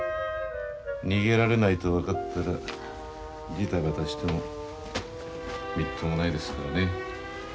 逃げられないと分かったらジタバタしてもみっともないですからね。